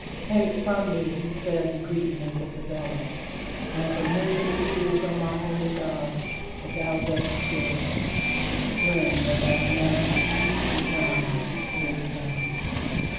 "Take from me," he said, "the greediness of the belly." And from this it appears, O my holy God, that thou dost give it, when what thou commandest to be done is done.